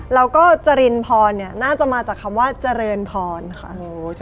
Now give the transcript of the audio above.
แล้วก็จรินพรเนี่ยน่าจะมาจากคำว่าเจริญพรค่ะ